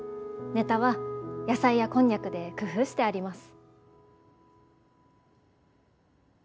ネタは野菜やこんにゃくで工夫してあります。